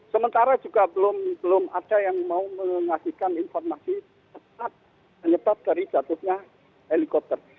sementara juga belum ada yang mau mengasihkan informasi tepat penyebab dari jatuhnya helikopter